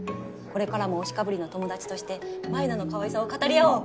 これからも推しかぶりの友達として舞菜のかわいさを語り合おう！